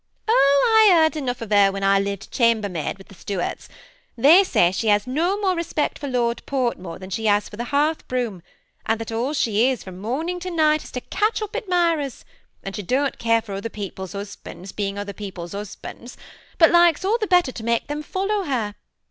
" Oh, I heard enough of her when I lived chamber maid with the Stuarts : they say she has no more respect for Lord Fortmore than she has for the hearth broom ; and that all she is at from morning to night, is to catch up admirers J and she don't care for other peo ple's husbands being other people's husbands, but likes all the better to make them follow her.